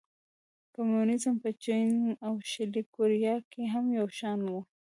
کمونېزم په چین او شلي کوریا کې هم یو شان و.